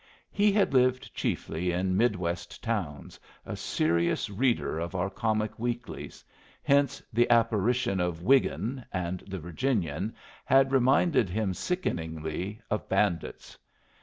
He had lived chiefly in mid West towns, a serious reader of our comic weeklies; hence the apparition of Wiggin and the Virginian had reminded him sickeningly of bandits.